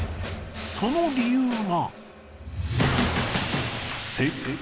その理由が。